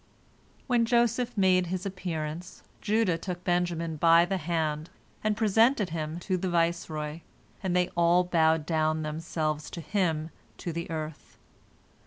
When Joseph made his appearance, Judah took Benjamin by the hand, and presented him to the viceroy, and they all bowed down themselves to him to the earth.